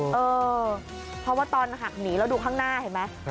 เออเพราะว่าตอนหักหนีแล้วดูข้างหน้าเห็นไหม